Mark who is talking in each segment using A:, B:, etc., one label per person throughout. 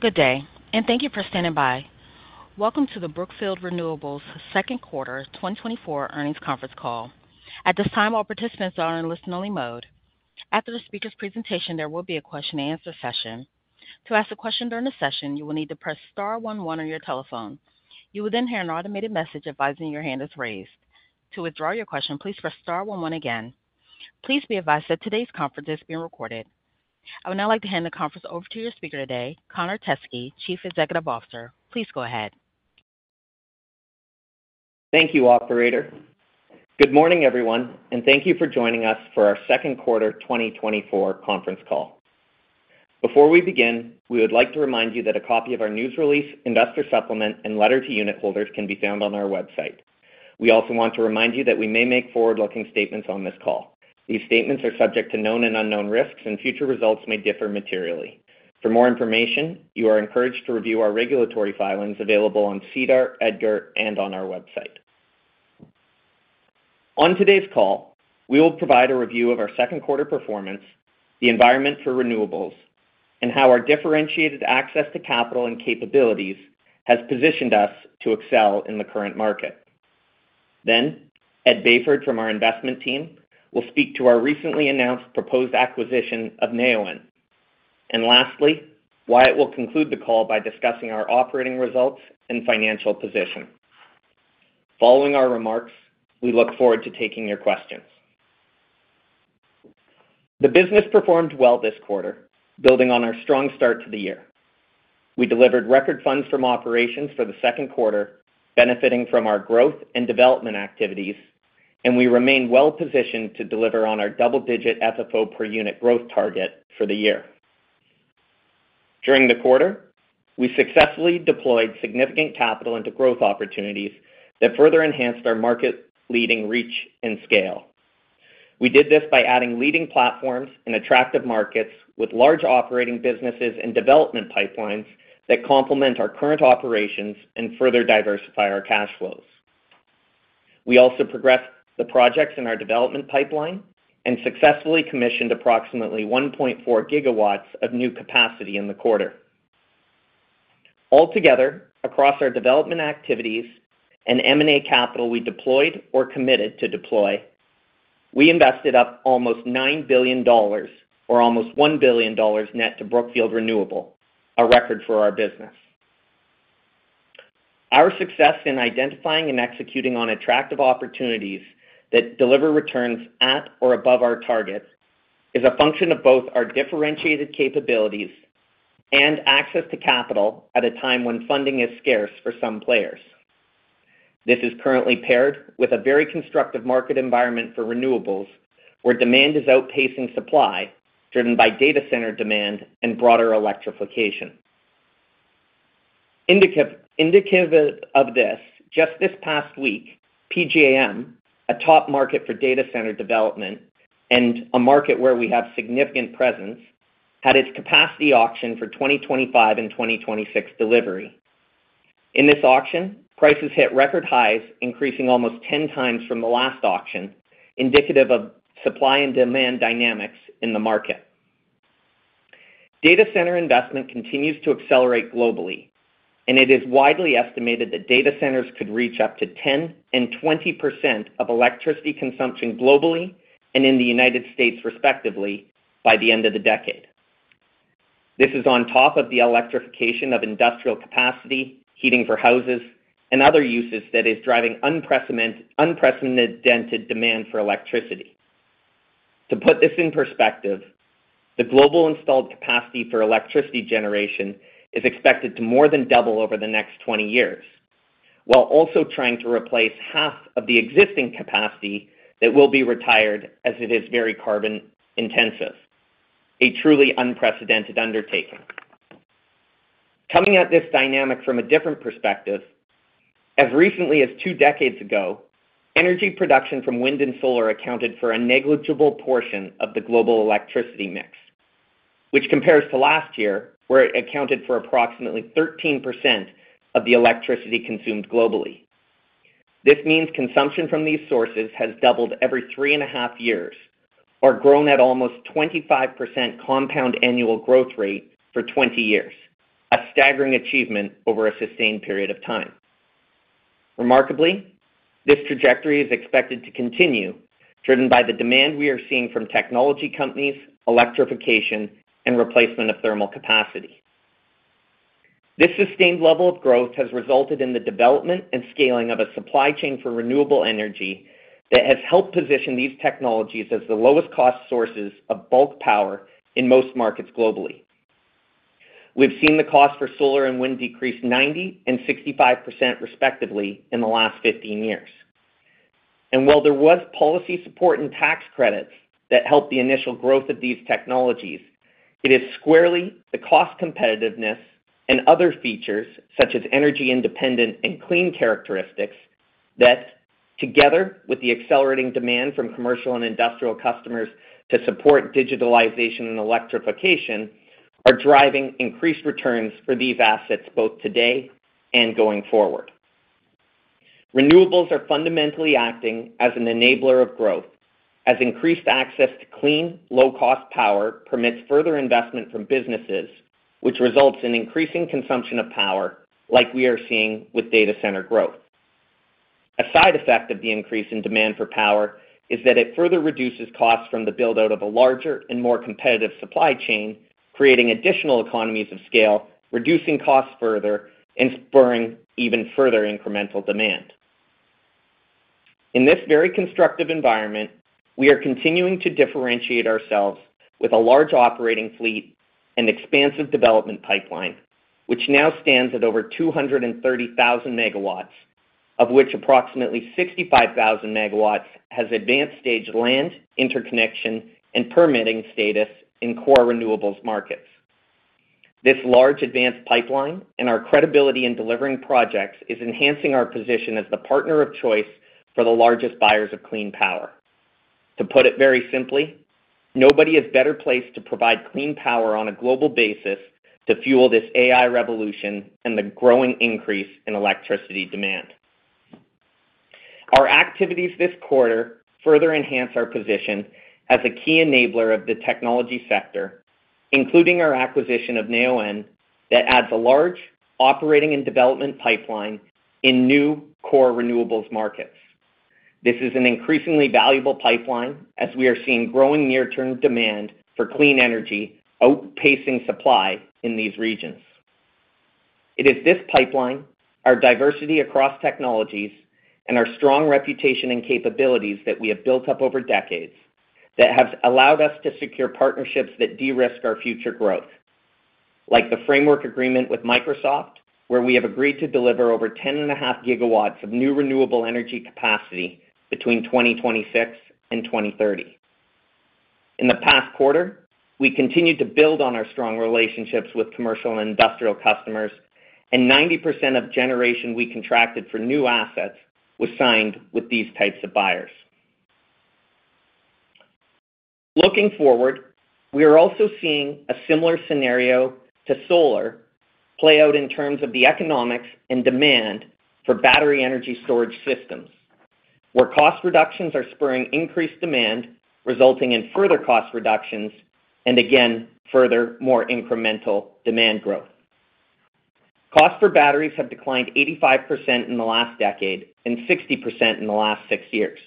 A: Good day, and thank you for standing by. Welcome to the Brookfield Renewable's Q2 2024 earnings conference call. At this time, all participants are in listen-only mode. After the speaker's presentation, there will be a question-and-answer session. To ask a question during the session, you will need to press star one one on your telephone. You will then hear an automated message advising your hand is raised. To withdraw your question, please press star one one again. Please be advised that today's conference is being recorded. I would now like to hand the conference over to your speaker today, Connor Teskey, Chief Executive Officer. Please go ahead.
B: Thank you, Operator. Good morning, everyone, and thank you for joining us for our Q2 2024 conference call. Before we begin, we would like to remind you that a copy of our news release, investor supplement, and letter to unitholders can be found on our website. We also want to remind you that we may make forward-looking statements on this call. These statements are subject to known and unknown risks, and future results may differ materially. For more information, you are encouraged to review our regulatory filings available on SEDAR, EDGAR, and on our website. On today's call, we will provide a review of our Q2 performance, the environment for renewables, and how our differentiated access to capital and capabilities has positioned us to excel in the current market. Then, Ed Bayford from our investment team will speak to our recently announced proposed acquisition of Neoen. Lastly, Wyatt will conclude the call by discussing our operating results and financial position. Following our remarks, we look forward to taking your questions. The business performed well this quarter, building on our strong start to the year. We delivered record funds from operations for the Q2, benefiting from our growth and development activities, and we remain well positioned to deliver on our double-digit FFO per unit growth target for the year. During the quarter, we successfully deployed significant capital into growth opportunities that further enhanced our market-leading reach and scale. We did this by adding leading platforms in attractive markets with large operating businesses and development pipelines that complement our current operations and further diversify our cash flows. We also progressed the projects in our development pipeline and successfully commissioned approximately 1.4 gigawatts of new capacity in the quarter. Altogether, across our development activities and M&A capital we deployed or committed to deploy, we invested up almost $9 billion, or almost $1 billion net, to Brookfield Renewable, a record for our business. Our success in identifying and executing on attractive opportunities that deliver returns at or above our targets is a function of both our differentiated capabilities and access to capital at a time when funding is scarce for some players. This is currently paired with a very constructive market environment for renewables, where demand is outpacing supply, driven by data center demand and broader electrification. Indicative of this, just this past week, PJM, a top market for data center development and a market where we have significant presence, had its capacity auction for 2025 and 2026 delivery. In this auction, prices hit record highs, increasing almost 10 times from the last auction, indicative of supply and demand dynamics in the market. Data center investment continues to accelerate globally, and it is widely estimated that data centers could reach up to 10% and 20% of electricity consumption globally and in the United States, respectively, by the end of the decade. This is on top of the electrification of industrial capacity, heating for houses, and other uses that is driving unprecedented demand for electricity. To put this in perspective, the global installed capacity for electricity generation is expected to more than double over the next 20 years, while also trying to replace half of the existing capacity that will be retired as it is very carbon intensive. A truly unprecedented undertaking. Coming at this dynamic from a different perspective, as recently as two decades ago, energy production from wind and solar accounted for a negligible portion of the global electricity mix, which compares to last year, where it accounted for approximately 13% of the electricity consumed globally. This means consumption from these sources has doubled every three and a half years, or grown at almost 25% compound annual growth rate for 20 years, a staggering achievement over a sustained period of time. Remarkably, this trajectory is expected to continue, driven by the demand we are seeing from technology companies, electrification, and replacement of thermal capacity. This sustained level of growth has resulted in the development and scaling of a supply chain for renewable energy that has helped position these technologies as the lowest cost sources of bulk power in most markets globally. We've seen the cost for solar and wind decrease 90% and 65%, respectively, in the last 15 years. And while there was policy support and tax credits that helped the initial growth of these technologies, it is squarely the cost competitiveness and other features, such as energy independent and clean characteristics, that, together with the accelerating demand from commercial and industrial customers to support digitalization and electrification, are driving increased returns for these assets both today and going forward. Renewables are fundamentally acting as an enabler of growth, as increased access to clean, low-cost power permits further investment from businesses, which results in increasing consumption of power, like we are seeing with data center growth. A side effect of the increase in demand for power is that it further reduces costs from the build-out of a larger and more competitive supply chain, creating additional economies of scale, reducing costs further, and spurring even further incremental demand. In this very constructive environment, we are continuing to differentiate ourselves with a large operating fleet and expansive development pipeline, which now stands at over 230,000 megawatts, of which approximately 65,000 megawatts has advanced stage land interconnection and permitting status in core renewables markets. This large advanced pipeline and our credibility in delivering projects is enhancing our position as the partner of choice for the largest buyers of clean power. To put it very simply, nobody is better placed to provide clean power on a global basis to fuel this AI revolution and the growing increase in electricity demand. Our activities this quarter further enhance our position as a key enabler of the technology sector, including our acquisition of Neoen that adds a large operating and development pipeline in new core renewables markets. This is an increasingly valuable pipeline, as we are seeing growing near-term demand for clean energy outpacing supply in these regions. It is this pipeline, our diversity across technologies, and our strong reputation and capabilities that we have built up over decades that have allowed us to secure partnerships that de-risk our future growth, like the framework agreement with Microsoft, where we have agreed to deliver over 10.5 gigawatts of new renewable energy capacity between 2026 and 2030. In the past quarter, we continued to build on our strong relationships with commercial and industrial customers, and 90% of generation we contracted for new assets was signed with these types of buyers. Looking forward, we are also seeing a similar scenario to solar play out in terms of the economics and demand for battery energy storage systems, where cost reductions are spurring increased demand, resulting in further cost reductions and, again, further more incremental demand growth. Costs for batteries have declined 85% in the last decade and 60% in the last six years.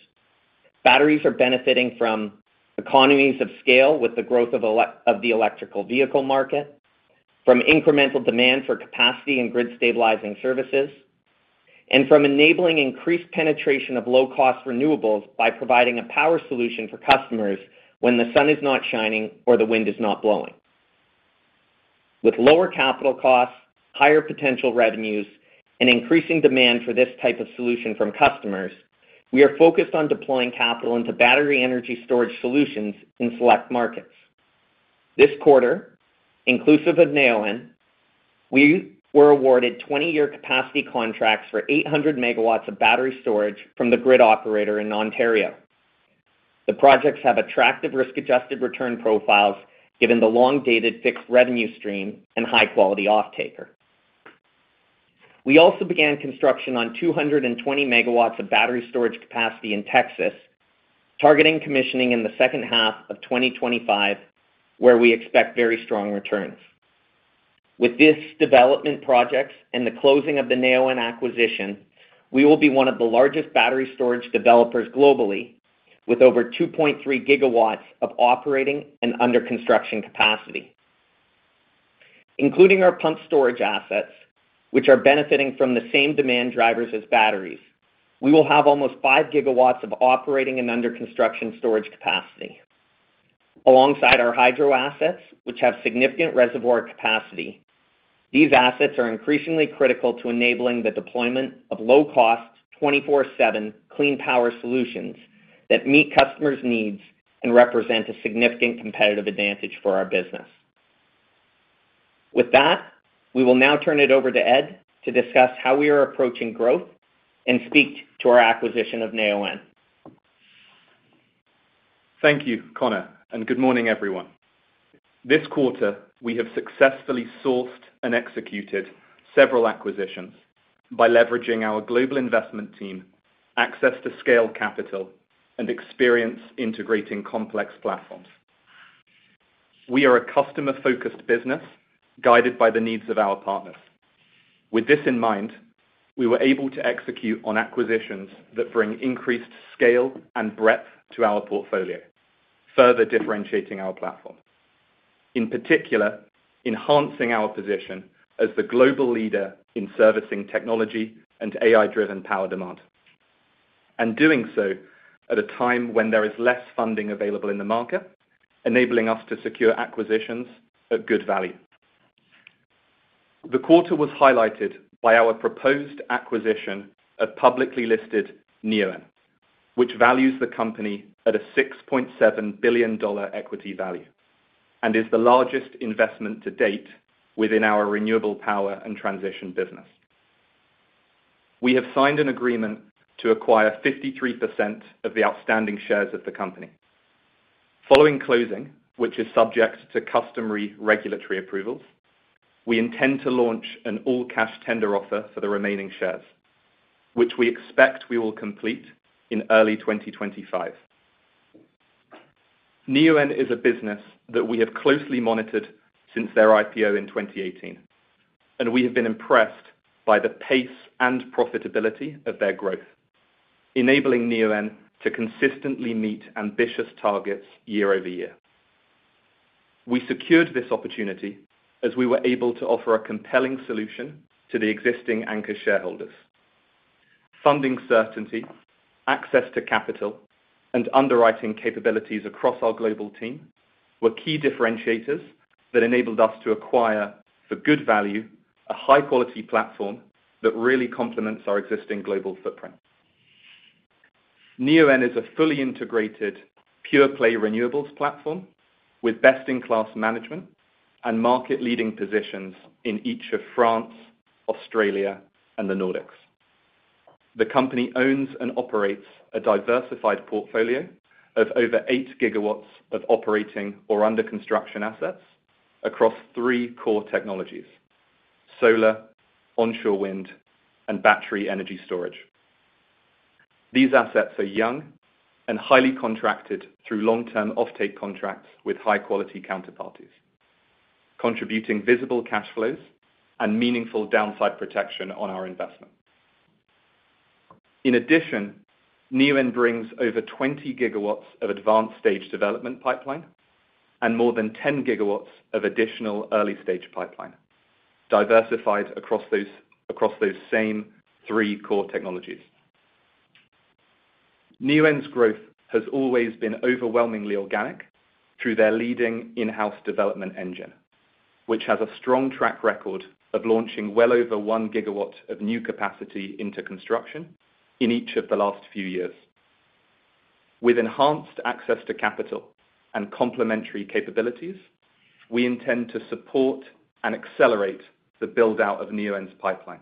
B: Batteries are benefiting from economies of scale with the growth of the electric vehicle market, from incremental demand for capacity and grid-stabilizing services, and from enabling increased penetration of low-cost renewables by providing a power solution for customers when the sun is not shining or the wind is not blowing. With lower capital costs, higher potential revenues, and increasing demand for this type of solution from customers, we are focused on deploying capital into battery energy storage solutions in select markets. This quarter, inclusive of Neoen, we were awarded 20-year capacity contracts for 800 megawatts of battery storage from the grid operator in Ontario. The projects have attractive risk-adjusted return profiles given the long-dated fixed revenue stream and high-quality off-taker. We also began construction on 220 megawatts of battery storage capacity in Texas, targeting commissioning in the second half of 2025, where we expect very strong returns. With these development projects and the closing of the Neoen acquisition, we will be one of the largest battery storage developers globally, with over 2.3 gigawatts of operating and under-construction capacity. Including our pumped storage assets, which are benefiting from the same demand drivers as batteries, we will have almost 5 gigawatts of operating and under-construction storage capacity. Alongside our hydro assets, which have significant reservoir capacity, these assets are increasingly critical to enabling the deployment of low-cost, 24/7 clean power solutions that meet customers' needs and represent a significant competitive advantage for our business. With that, we will now turn it over to Ed to discuss how we are approaching growth and speak to our acquisition of Neoen.
C: Thank you, Connor, and good morning, everyone. This quarter, we have successfully sourced and executed several acquisitions by leveraging our global investment team, access to scale capital, and experience integrating complex platforms. We are a customer-focused business guided by the needs of our partners. With this in mind, we were able to execute on acquisitions that bring increased scale and breadth to our portfolio, further differentiating our platform. In particular, enhancing our position as the global leader in servicing technology and AI-driven power demand, and doing so at a time when there is less funding available in the market, enabling us to secure acquisitions at good value. The quarter was highlighted by our proposed acquisition of publicly listed Neoen, which values the company at a $6.7 billion equity value and is the largest investment to date within our renewable power and transition business. We have signed an agreement to acquire 53% of the outstanding shares of the company. Following closing, which is subject to customary regulatory approvals, we intend to launch an all-cash tender offer for the remaining shares, which we expect we will complete in early 2025. Neoen is a business that we have closely monitored since their IPO in 2018, and we have been impressed by the pace and profitability of their growth, enabling Neoen to consistently meet ambitious targets year over year. We secured this opportunity as we were able to offer a compelling solution to the existing anchor shareholders. Funding certainty, access to capital, and underwriting capabilities across our global team were key differentiators that enabled us to acquire, for good value, a high-quality platform that really complements our existing global footprint. Neoen is a fully integrated pure-play renewables platform with best-in-class management and market-leading positions in each of France, Australia, and the Nordics. The company owns and operates a diversified portfolio of over eight gigawatts of operating or under-construction assets across three core technologies: solar, onshore wind, and battery energy storage. These assets are young and highly contracted through long-term off-take contracts with high-quality counterparties, contributing visible cash flows and meaningful downside protection on our investment. In addition, Neoen brings over 20 gigawatts of advanced stage development pipeline and more than 10 gigawatts of additional early stage pipeline, diversified across those same three core technologies. Neoen's growth has always been overwhelmingly organic through their leading in-house development engine, which has a strong track record of launching well over one gigawatt of new capacity into construction in each of the last few years. With enhanced access to capital and complementary capabilities, we intend to support and accelerate the build-out of Neoen's pipeline,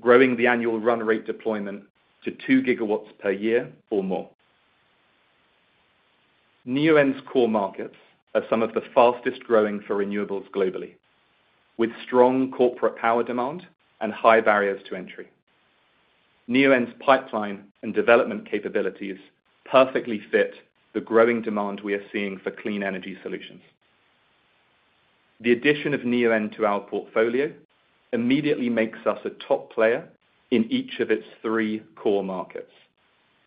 C: growing the annual run rate deployment to 2 GW per year or more. Neoen's core markets are some of the fastest growing for renewables globally, with strong corporate power demand and high barriers to entry. Neoen's pipeline and development capabilities perfectly fit the growing demand we are seeing for clean energy solutions. The addition of Neoen to our portfolio immediately makes us a top player in each of its three core markets,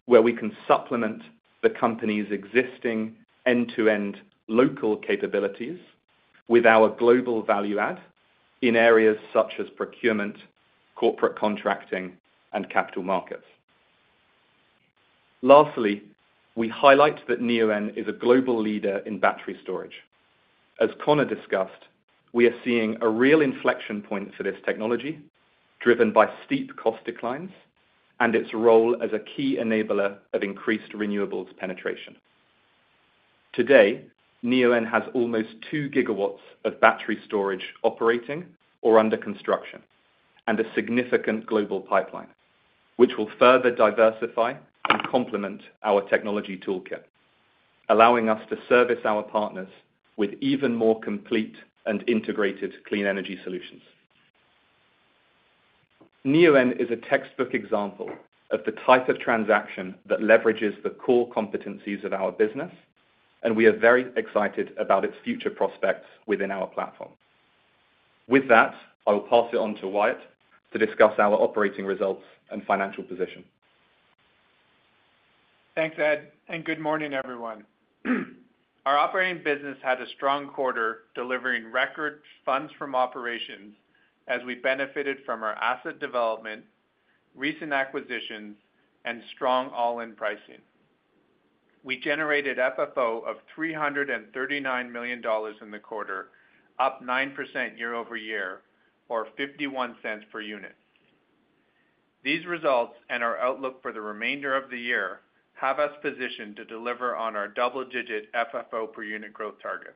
C: where we can supplement the company's existing end-to-end local capabilities with our global value add in areas such as procurement, corporate contracting, and capital markets. Lastly, we highlight that Neoen is a global leader in battery storage. As Connor discussed, we are seeing a real inflection point for this technology, driven by steep cost declines and its role as a key enabler of increased renewables penetration. Today, Neoen has almost two gigawatts of battery storage operating or under construction and a significant global pipeline, which will further diversify and complement our technology toolkit, allowing us to service our partners with even more complete and integrated clean energy solutions. Neoen is a textbook example of the type of transaction that leverages the core competencies of our business, and we are very excited about its future prospects within our platform. With that, I will pass it on to Wyatt to discuss our operating results and financial position.
D: Thanks, Ed, and good morning, everyone. Our operating business had a strong quarter delivering record funds from operations as we benefited from our asset development, recent acquisitions, and strong all-in pricing. We generated FFO of $339 million in the quarter, up 9% year-over-year, or $0.51 per unit. These results and our outlook for the remainder of the year have us positioned to deliver on our double-digit FFO per unit growth target.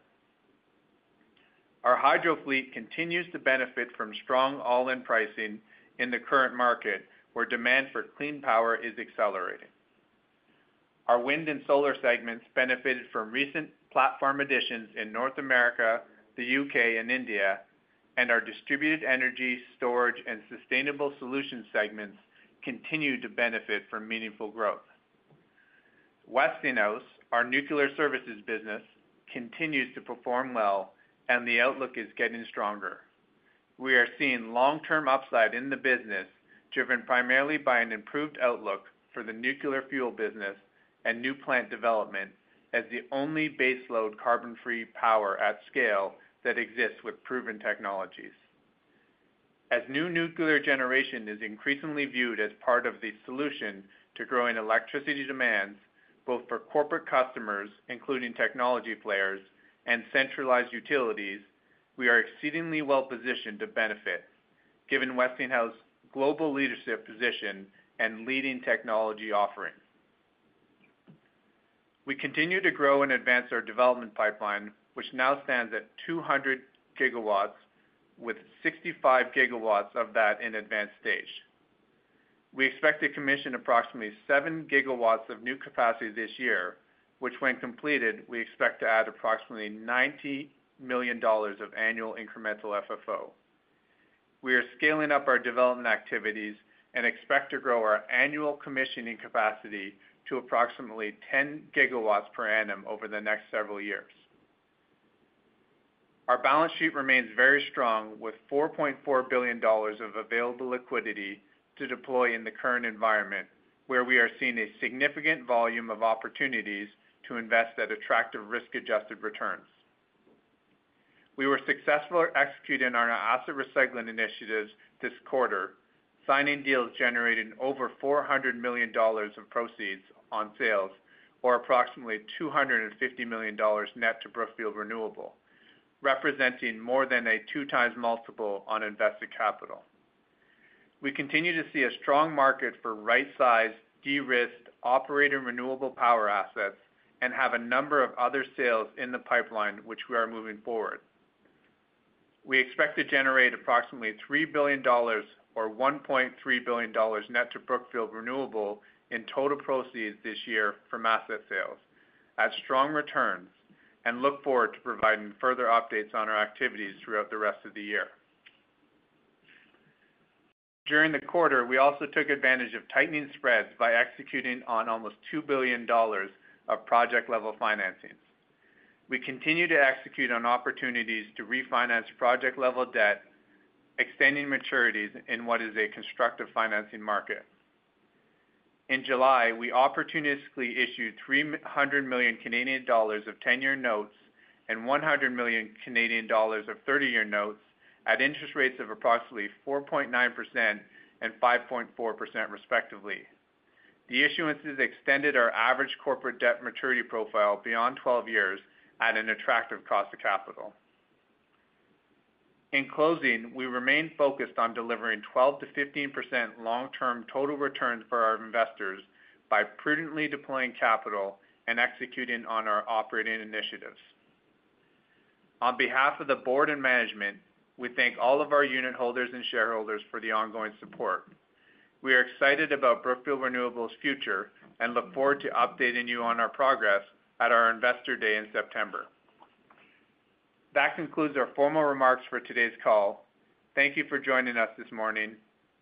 D: Our hydro fleet continues to benefit from strong all-in pricing in the current market, where demand for clean power is accelerating. Our wind and solar segments benefited from recent platform additions in North America, the UK, and India, and our distributed energy storage and sustainable solutions segments continue to benefit from meaningful growth. Westinghouse, our nuclear services business, continues to perform well, and the outlook is getting stronger. We are seeing long-term upside in the business, driven primarily by an improved outlook for the nuclear fuel business and new plant development as the only baseload carbon-free power at scale that exists with proven technologies. As new nuclear generation is increasingly viewed as part of the solution to growing electricity demands, both for corporate customers, including technology players, and centralized utilities, we are exceedingly well positioned to benefit, given Westinghouse's global leadership position and leading technology offering. We continue to grow and advance our development pipeline, which now stands at 200 gigawatts, with 65 gigawatts of that in advanced stage. We expect to commission approximately seven gigawatts of new capacity this year, which, when completed, we expect to add approximately $90 million of annual incremental FFO. We are scaling up our development activities and expect to grow our annual commissioning capacity to approximately 10 gigawatts per annum over the next several years. Our balance sheet remains very strong, with $4.4 billion of available liquidity to deploy in the current environment, where we are seeing a significant volume of opportunities to invest at attractive risk-adjusted returns. We were successful at executing our asset recycling initiatives this quarter, signing deals generating over $400 million of proceeds on sales, or approximately $250 million net to Brookfield Renewable, representing more than a 2x multiple on invested capital. We continue to see a strong market for right-sized, de-risked, operating renewable power assets and have a number of other sales in the pipeline, which we are moving forward. We expect to generate approximately $3 billion, or $1.3 billion net to Brookfield Renewable, in total proceeds this year from asset sales, at strong returns, and look forward to providing further updates on our activities throughout the rest of the year. During the quarter, we also took advantage of tightening spreads by executing on almost $2 billion of project-level financing. We continue to execute on opportunities to refinance project-level debt, extending maturities in what is a constructive financing market. In July, we opportunistically issued $300 million of 10-year notes and $100 million of 30-year notes at interest rates of approximately 4.9% and 5.4%, respectively. The issuance has extended our average corporate debt maturity profile beyond 12 years at an attractive cost of capital. In closing, we remain focused on delivering 12%-15% long-term total returns for our investors by prudently deploying capital and executing on our operating initiatives. On behalf of the Board and Management, we thank all of our unitholders and shareholders for the ongoing support. We are excited about Brookfield Renewable's future and look forward to updating you on our progress at our Investor Day in September. That concludes our formal remarks for today's call. Thank you for joining us this morning,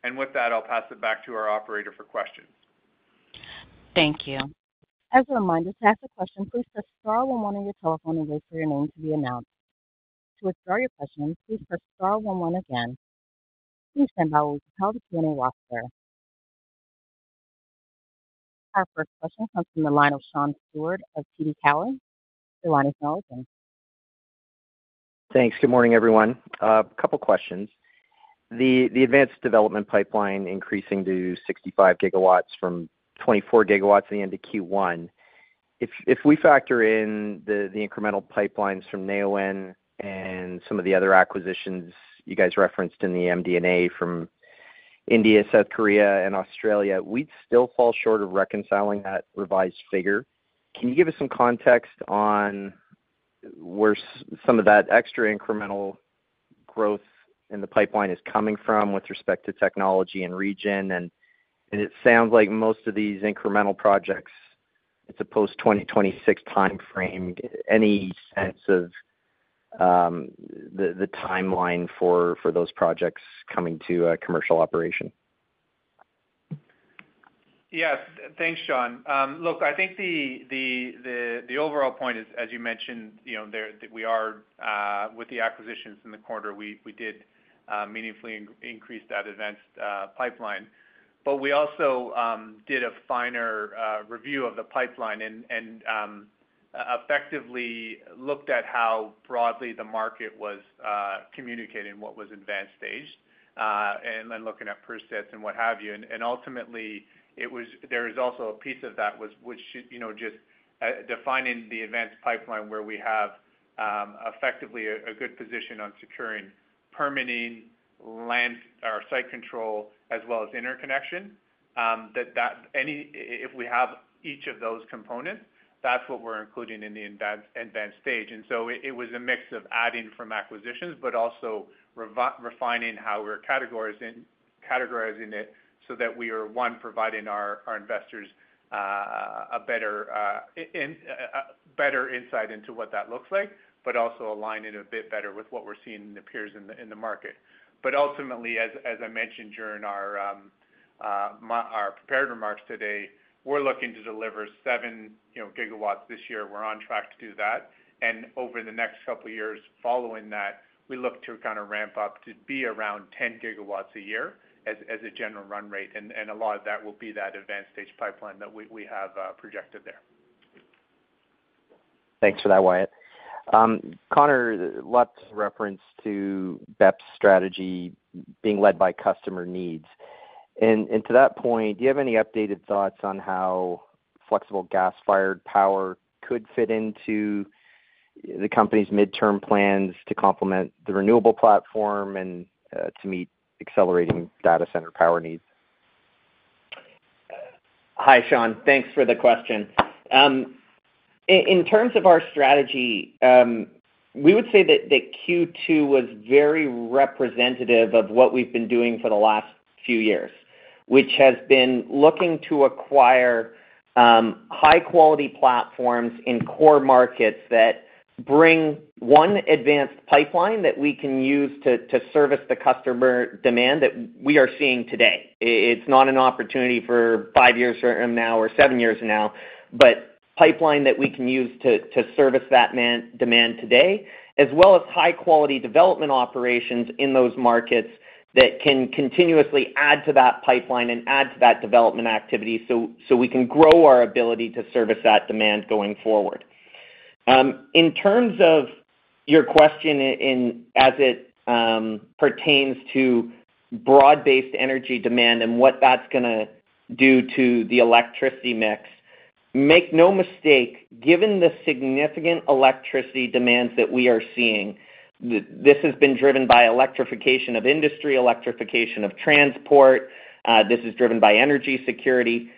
D: and with that, I'll pass it back to our operator for questions.
A: Thank you. As a reminder, to ask a question, please press star one one on your telephone and wait for your name to be announced. To withdraw your question, please press star one one again. Please stand by while we compile the Q&A roster. Our first question comes from the line of Sean Stewart of TD Cowen. Your line is now open.
E: Thanks. Good morning, everyone. A couple of questions. The advanced development pipeline increasing to 65 GW from 24 GW at the end of Q1, if we factor in the incremental pipelines from Neoen and some of the other acquisitions you guys referenced in the MD&A from India, South Korea, and Australia, we'd still fall short of reconciling that revised figure. Can you give us some context on where some of that extra incremental growth in the pipeline is coming from with respect to technology and region? And it sounds like most of these incremental projects, it's a post-2026 time frame. Any sense of the timeline for those projects coming to a commercial operation?
D: Yes. Thanks, Sean. Look, I think the overall point is, as you mentioned, we are with the acquisitions in the quarter. We did meaningfully increase that advanced pipeline. But we also did a finer review of the pipeline and effectively looked at how broadly the market was communicating what was advanced stage and then looking at peer sets and what have you. And ultimately, there is also a piece of that which just defining the advanced pipeline where we have effectively a good position on securing permitting, site control, as well as interconnection. If we have each of those components, that's what we're including in the advanced stage. It was a mix of adding from acquisitions, but also refining how we're categorizing it so that we are, one, providing our investors a better insight into what that looks like, but also aligning a bit better with what we're seeing in the peers in the market. Ultimately, as I mentioned during our prepared remarks today, we're looking to deliver seven gigawatts this year. We're on track to do that. Over the next couple of years following that, we look to kind of ramp up to be around 10 gigawatts a year as a general run rate. A lot of that will be that advanced stage pipeline that we have projected there.
E: Thanks for that, Wyatt. Connor left reference to BEP's strategy being led by customer needs. To that point, do you have any updated thoughts on how flexible gas-fired power could fit into the company's midterm plans to complement the renewable platform and to meet accelerating data center power needs?
B: Hi, Sean. Thanks for the question. In terms of our strategy, we would say that Q2 was very representative of what we've been doing for the last few years, which has been looking to acquire high-quality platforms in core markets that bring one advanced pipeline that we can use to service the customer demand that we are seeing today. It's not an opportunity for five years from now or seven years from now, but pipeline that we can use to service that demand today, as well as high-quality development operations in those markets that can continuously add to that pipeline and add to that development activity so we can grow our ability to service that demand going forward. In terms of your question as it pertains to broad-based energy demand and what that's going to do to the electricity mix, make no mistake, given the significant electricity demands that we are seeing, this has been driven by electrification of industry, electrification of transport, this is driven by energy security.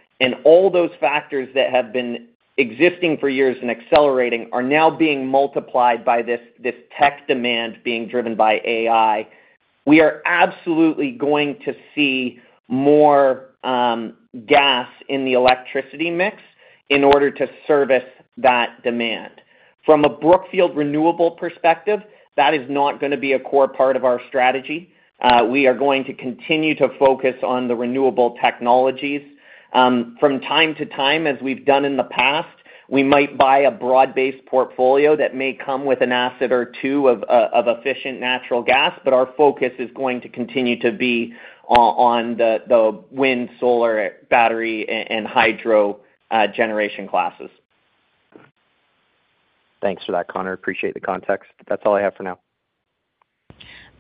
B: All those factors that have been existing for years and accelerating are now being multiplied by this tech demand being driven by AI. We are absolutely going to see more gas in the electricity mix in order to service that demand. From a Brookfield Renewable perspective, that is not going to be a core part of our strategy. We are going to continue to focus on the renewable technologies. From time to time, as we've done in the past, we might buy a broad-based portfolio that may come with an asset or two of efficient natural gas, but our focus is going to continue to be on the wind, solar, battery, and hydro generation classes.
E: Thanks for that, Connor. Appreciate the context. That's all I have for now.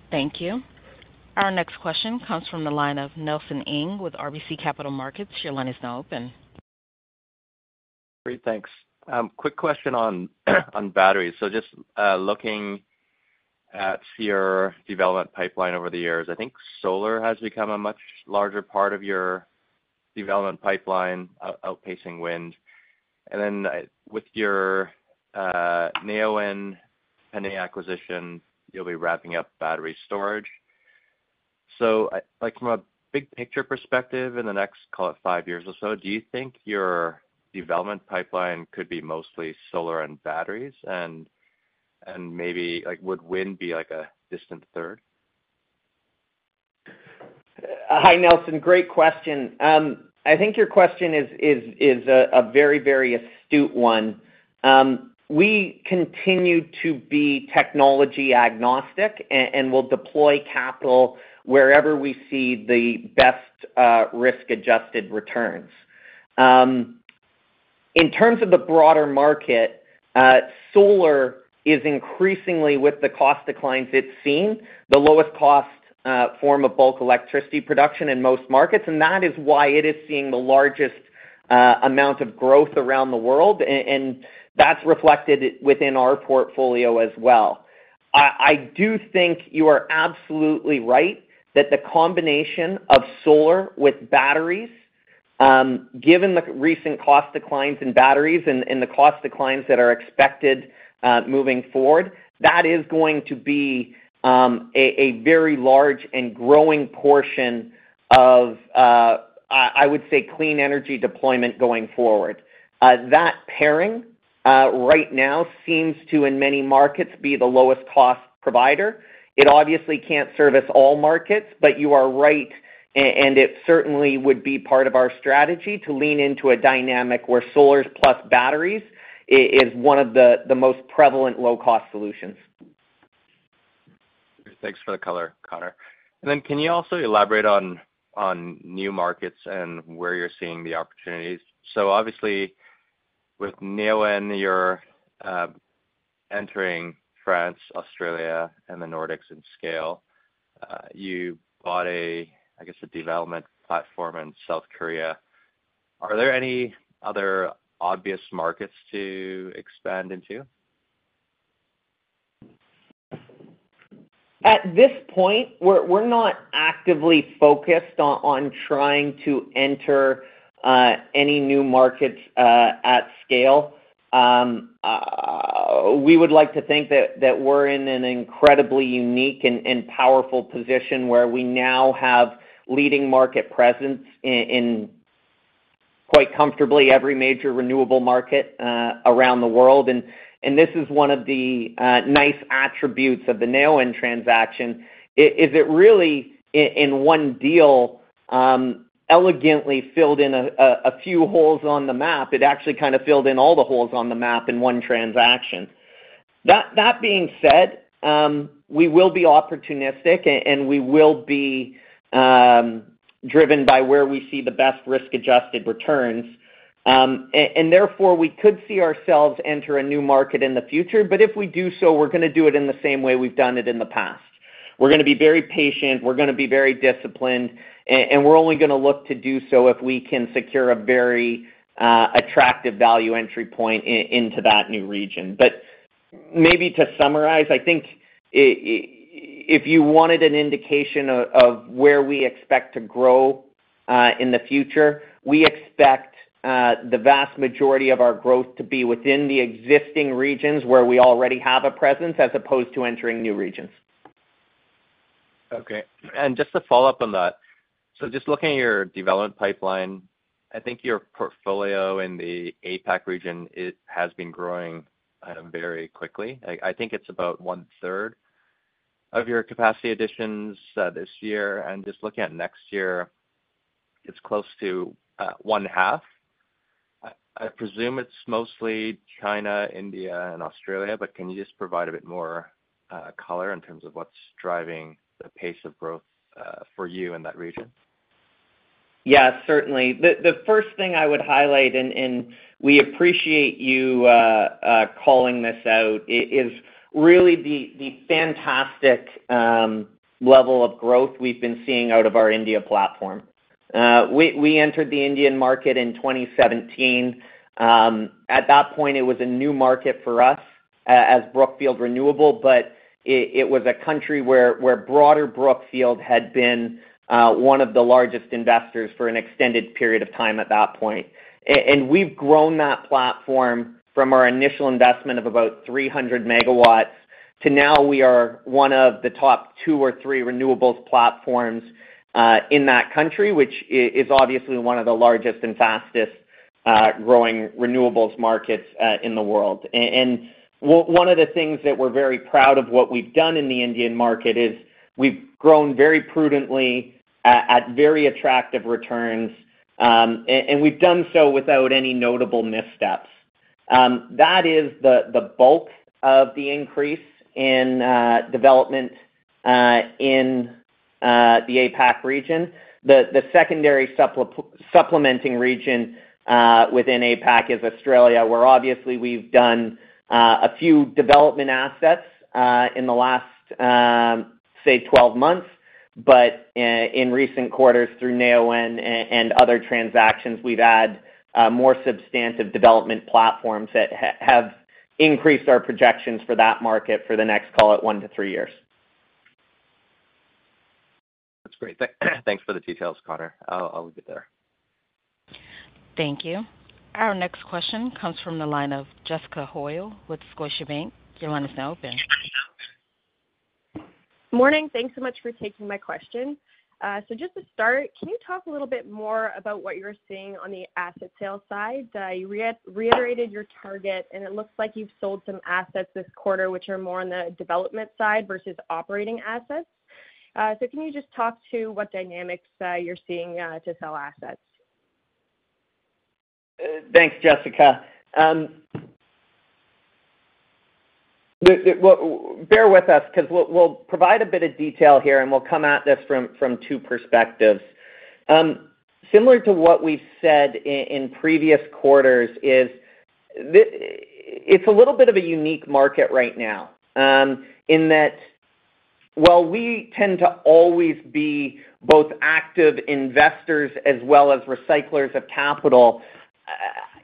A: Thank you. Our next question comes from the line of Nelson Ng with RBC Capital Markets. Your line is now open.
F: Great. Thanks. Quick question on batteries. So just looking at your development pipeline over the years, I think solar has become a much larger part of your development pipeline, outpacing wind. And then with your Neoen, pending acquisition, you'll be wrapping up battery storage. So from a big-picture perspective in the next, call it, five years or so, do you think your development pipeline could be mostly solar and batteries, and maybe would wind be a distant third?
B: Hi, Nelson. Great question. I think your question is a very, very astute one. We continue to be technology agnostic and will deploy capital wherever we see the best risk-adjusted returns. In terms of the broader market, solar is increasingly, with the cost declines it's seen, the lowest-cost form of bulk electricity production in most markets, and that is why it is seeing the largest amount of growth around the world, and that's reflected within our portfolio as well. I do think you are absolutely right that the combination of solar with batteries, given the recent cost declines in batteries and the cost declines that are expected moving forward, that is going to be a very large and growing portion of, I would say, clean energy deployment going forward. That pairing right now seems to, in many markets, be the lowest-cost provider. It obviously can't service all markets, but you are right, and it certainly would be part of our strategy to lean into a dynamic where solar plus batteries is one of the most prevalent low-cost solutions.
F: Thanks for the color, Connor. And then can you also elaborate on new markets and where you're seeing the opportunities? So obviously, with Neoen, you're entering France, Australia, and the Nordics in scale. You bought, I guess, a development platform in South Korea. Are there any other obvious markets to expand into?
B: At this point, we're not actively focused on trying to enter any new markets at scale. We would like to think that we're in an incredibly unique and powerful position where we now have leading market presence in quite comfortably every major renewable market around the world. This is one of the nice attributes of the Neoen transaction. Is it really, in one deal, elegantly filled in a few holes on the map? It actually kind of filled in all the holes on the map in one transaction. That being said, we will be opportunistic, and we will be driven by where we see the best risk-adjusted returns. Therefore, we could see ourselves enter a new market in the future, but if we do so, we're going to do it in the same way we've done it in the past. We're going to be very patient. We're going to be very disciplined. We're only going to look to do so if we can secure a very attractive value entry point into that new region. Maybe to summarize, I think if you wanted an indication of where we expect to grow in the future, we expect the vast majority of our growth to be within the existing regions where we already have a presence as opposed to entering new regions.
F: Okay. And just to follow up on that, so just looking at your development pipeline, I think your portfolio in the APAC region has been growing very quickly. I think it's about one-third of your capacity additions this year. And just looking at next year, it's close to one-half. I presume it's mostly China, India, and Australia, but can you just provide a bit more color in terms of what's driving the pace of growth for you in that region?
B: Yeah, certainly. The first thing I would highlight, and we appreciate you calling this out, is really the fantastic level of growth we've been seeing out of our India platform. We entered the Indian market in 2017. At that point, it was a new market for us as Brookfield Renewable, but it was a country where broader Brookfield had been one of the largest investors for an extended period of time at that point. We've grown that platform from our initial investment of about 300 megawatts to now we are one of the top two or three renewables platforms in that country, which is obviously one of the largest and fastest-growing renewables markets in the world. One of the things that we're very proud of what we've done in the Indian market is we've grown very prudently at very attractive returns, and we've done so without any notable missteps. That is the bulk of the increase in development in the APAC region. The secondary supplementing region within APAC is Australia, where obviously we've done a few development assets in the last, say, 12 months, but in recent quarters through Neoen and other transactions, we've had more substantive development platforms that have increased our projections for that market for the next, call it, 1-3 years.
F: That's great. Thanks for the details, Connor. I'll leave it there.
A: Thank you. Our next question comes from the line of Jessica Hoyle with Scotiabank. Your line is now open.
G: Morning. Thanks so much for taking my question. So just to start, can you talk a little bit more about what you're seeing on the asset sale side? You reiterated your target, and it looks like you've sold some assets this quarter which are more on the development side versus operating assets. So can you just talk to what dynamics you're seeing to sell assets?
B: Thanks, Jessica. Bear with us because we'll provide a bit of detail here, and we'll come at this from two perspectives. Similar to what we've said in previous quarters, it's a little bit of a unique market right now in that, while we tend to always be both active investors as well as recyclers of capital,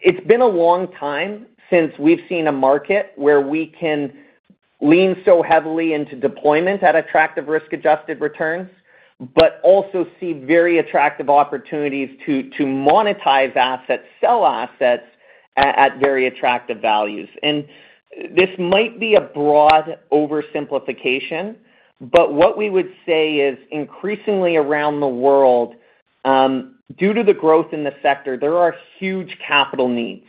B: it's been a long time since we've seen a market where we can lean so heavily into deployment at attractive risk-adjusted returns, but also see very attractive opportunities to monetize assets, sell assets at very attractive values. This might be a broad oversimplification, but what we would say is increasingly around the world, due to the growth in the sector, there are huge capital needs.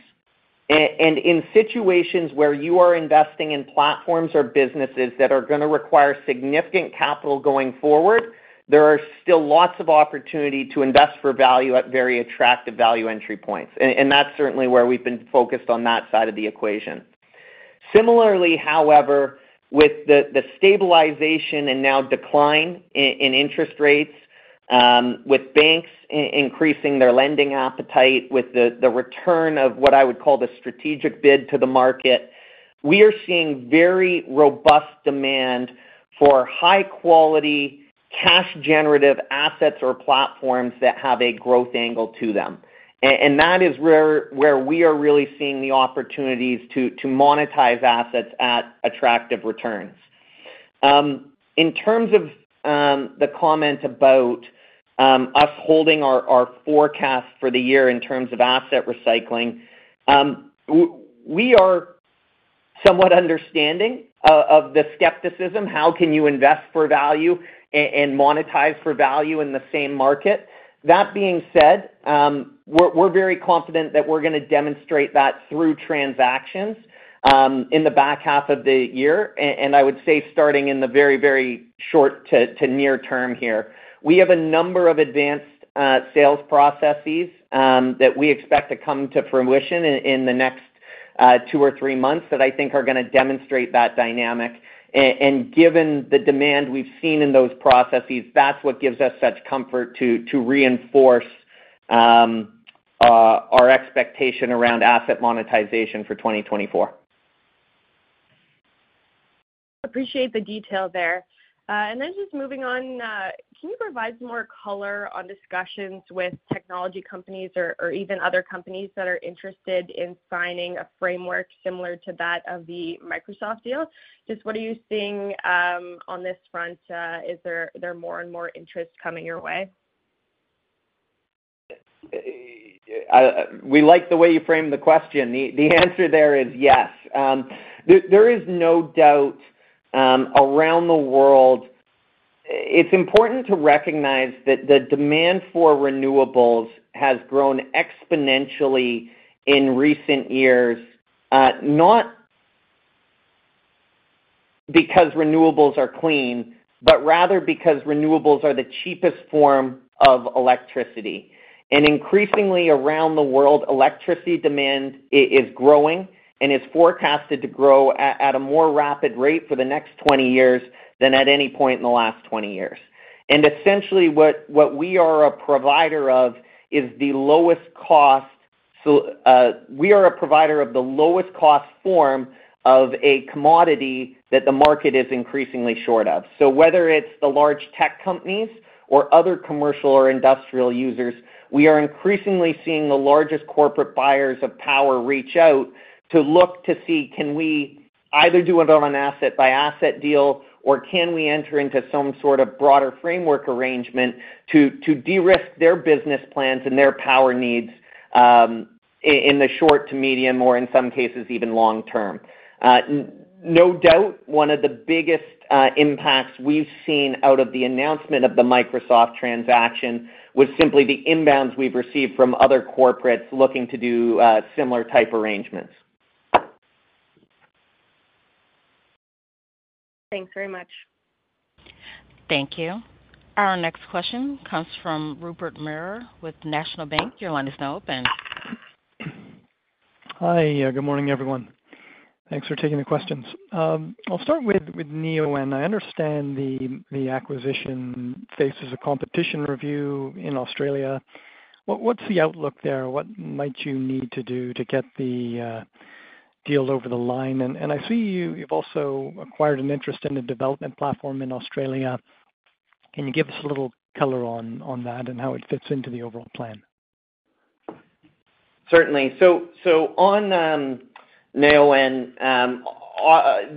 B: And in situations where you are investing in platforms or businesses that are going to require significant capital going forward, there are still lots of opportunity to invest for value at very attractive value entry points. And that's certainly where we've been focused on that side of the equation. Similarly, however, with the stabilization and now decline in interest rates, with banks increasing their lending appetite, with the return of what I would call the strategic bid to the market, we are seeing very robust demand for high-quality cash-generative assets or platforms that have a growth angle to them. And that is where we are really seeing the opportunities to monetize assets at attractive returns. In terms of the comment about us holding our forecast for the year in terms of asset recycling, we are somewhat understanding of the skepticism, "How can you invest for value and monetize for value in the same market?" That being said, we're very confident that we're going to demonstrate that through transactions in the back half of the year. And I would say starting in the very, very short to near-term here, we have a number of advanced sales processes that we expect to come to fruition in the next two or three months that I think are going to demonstrate that dynamic. And given the demand we've seen in those processes, that's what gives us such comfort to reinforce our expectation around asset monetization for 2024.
G: Appreciate the detail there. Then just moving on, can you provide some more color on discussions with technology companies or even other companies that are interested in signing a framework similar to that of the Microsoft deal? Just what are you seeing on this front? Is there more and more interest coming your way?
B: We like the way you framed the question. The answer there is yes. There is no doubt around the world, it's important to recognize that the demand for renewables has grown exponentially in recent years, not because renewables are clean, but rather because renewables are the cheapest form of electricity. Increasingly around the world, electricity demand is growing, and it's forecasted to grow at a more rapid rate for the next 20 years than at any point in the last 20 years. Essentially, what we are a provider of is the lowest cost. We are a provider of the lowest-cost form of a commodity that the market is increasingly short of. Whether it's the large tech companies or other commercial or industrial users, we are increasingly seeing the largest corporate buyers of power reach out to look to see, "Can we either do an asset-by-asset deal, or can we enter into some sort of broader framework arrangement to de-risk their business plans and their power needs in the short to medium or, in some cases, even long-term?" No doubt, one of the biggest impacts we've seen out of the announcement of the Microsoft transaction was simply the inbounds we've received from other corporates looking to do similar type arrangements.
G: Thanks very much.
A: Thank you. Our next question comes from Rupert Merer with National Bank. Your line is now open.
H: Hi. Good morning, everyone. Thanks for taking the questions. I'll start with Neoen. I understand the acquisition faces a competition review in Australia. What's the outlook there? What might you need to do to get the deal over the line? And I see you've also acquired an interest in a development platform in Australia. Can you give us a little color on that and how it fits into the overall plan?
B: Certainly. So on Neoen,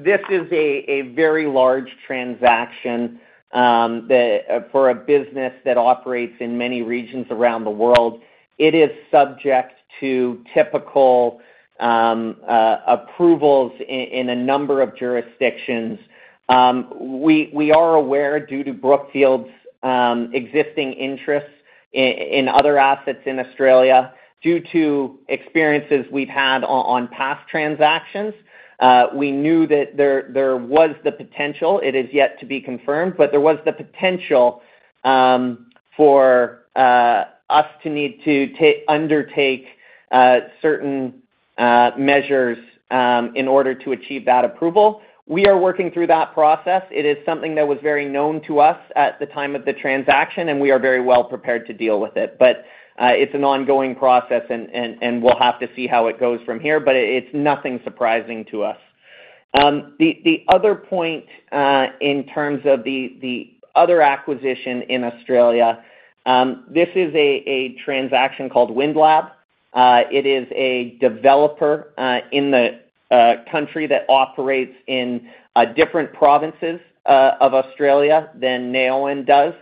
B: this is a very large transaction for a business that operates in many regions around the world. It is subject to typical approvals in a number of jurisdictions. We are aware, due to Brookfield's existing interests in other assets in Australia, due to experiences we've had on past transactions, we knew that there was the potential. It is yet to be confirmed, but there was the potential for us to need to undertake certain measures in order to achieve that approval. We are working through that process. It is something that was very known to us at the time of the transaction, and we are very well prepared to deal with it. But it's an ongoing process, and we'll have to see how it goes from here, but it's nothing surprising to us. The other point in terms of the other acquisition in Australia, this is a transaction called Windlab. It is a developer in the country that operates in different provinces of Australia than Neoen does,